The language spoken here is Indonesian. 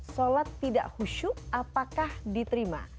sholat tidak khusyuk apakah diterima